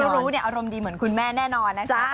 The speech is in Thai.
รู้เนี่ยอารมณ์ดีเหมือนคุณแม่แน่นอนนะจ๊ะ